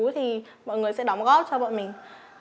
thì mọi người sẽ đóng góp cho bọn mình